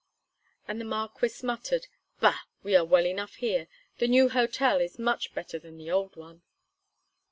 And the Marquis muttered: "Bah! we are well enough here. The new hotel is much better than the old one."